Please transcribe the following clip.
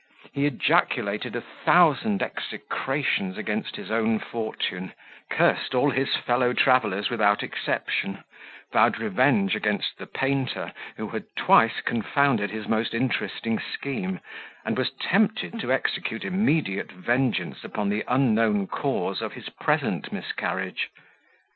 He ejaculated a thousand execrations against his own fortune, cursed all his fellow travellers without exception, vowed revenge against the painter, who had twice confounded his most interesting scheme, and was tempted to execute immediate vengeance upon the unknown cause of his present miscarriage.